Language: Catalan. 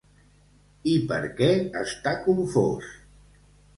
I per què està confós?